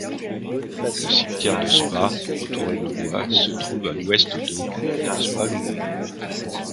Le cimetière de Spa, entouré de bois, se trouve à l'ouest de Spaloumont.